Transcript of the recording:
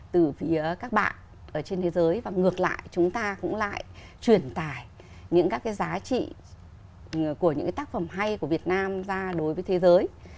từ phía các bạn ở trên thế giới và ngược lại chúng ta cũng lại truyền tải những các cái giá trị của những cái tác phẩm hay của việt nam ra đối với thế giới